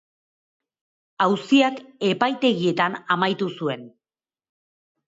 Auziak epaitegietan amaitu zuen.